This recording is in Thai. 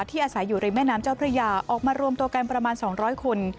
ที่อาศัยอยู่ในแม่น้ำเจ้าพระยาออกมารวมตัวแก่มประมาณสองร้อยคน